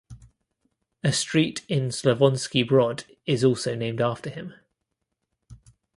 A street in Slavonski Brod is also named after him.